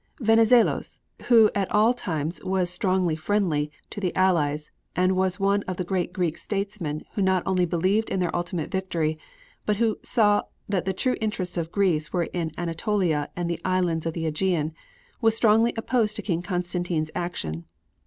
Venizelos, who at all times was strongly friendly to the Allies and who was the one great Greek statesman who not only believed in their ultimate victory but who saw that the true interests of Greece were in Anatolia and the Islands of the AEgean, was strongly opposed to King Constantine's action.